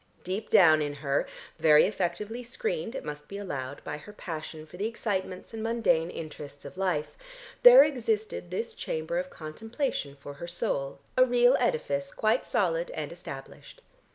Deep down in her (very effectively screened, it must be allowed, by her passion for the excitements and mundane interests of life) there existed this chamber of contemplation for her soul, a real edifice, quite solid and established.